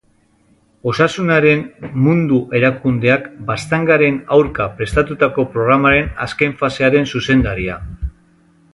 Osasunaren Mundu Erakundeak baztangaren aurka prestatutako programaren azken fasearen zuzendaria.